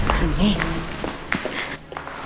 aku mau ke rumah